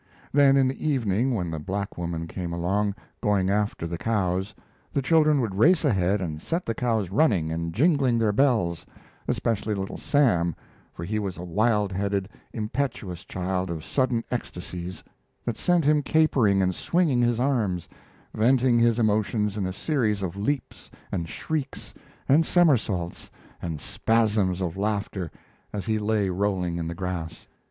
Then in the evening when the black woman came along, going after the cows, the children would race ahead and set the cows running and jingling their bells especially Little Sam, for he was a wild headed, impetuous child of sudden ecstasies that sent him capering and swinging his arms, venting his emotions in a series of leaps and shrieks and somersaults, and spasms of laughter as he lay rolling in the grass.